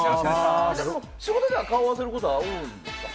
仕事で顔を合わせることはあるんですか？